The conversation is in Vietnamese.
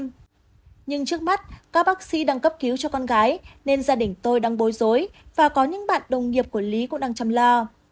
nhưng trước mắt các bác sĩ đang cấp cứu cho con gái nên gia đình tôi đang bối rối và có những bạn đồng nghiệp của lý cũng đang chăm lo